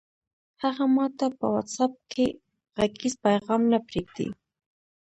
هغه ماته په وټس اپ کې غږیز پیغام نه پرېږدي!